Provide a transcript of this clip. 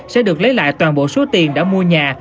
sẽ được lấy lại toàn bộ số tiền đã mua nhà